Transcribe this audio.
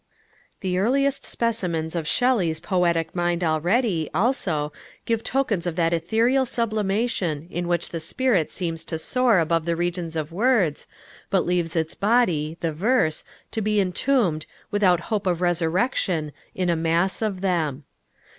The earliest specimens of Shelley's poetic mind already, also, give tokens of that ethereal sublimation in which the spirit seems to soar above the regions of words, but leaves its body, the verse, to be entombed, without hope of resurrection, in a mass of them.